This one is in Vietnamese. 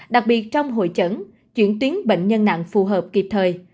đặc biệt trong hội trận chuyển tuyến bệnh nhân nặng phù hợp kịp thời